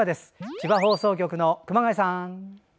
千葉放送局の熊谷さん。